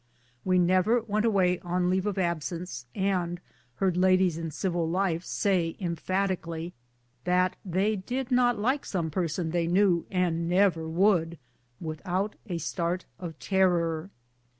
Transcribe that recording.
We never went away on leave of absence, and heard ladies in civil life say emphatically that they did not like some person they knew, and " never would," without a start of terror.